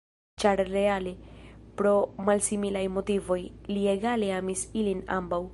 Ĉar reale, pro malsimilaj motivoj, li egale amis ilin ambaŭ.